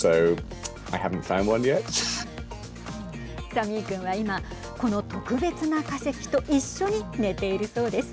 サミー君は今、この特別な化石と一緒に寝ているそうです。